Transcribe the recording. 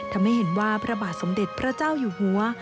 ทำให้เห็นว่าพระบาทสมเด็จพระเจ้าอยู่หัว